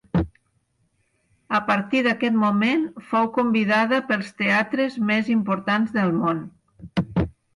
A partir d'aquest moment, fou convidada pels teatres més importants del món.